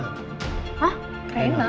gak keren lah